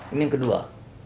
ini yang kedua